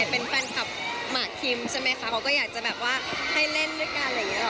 เป็นแฟนคลับหมากคิมใช่ไหมคะเขาก็อยากจะแบบว่าให้เล่นด้วยกันอะไรอย่างนี้หรอ